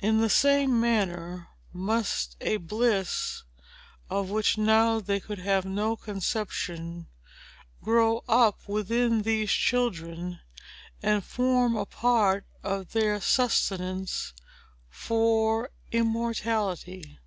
In the same manner must a bliss, of which now they could have no conception, grow up within these children, and form a part of their sustenance for immortality.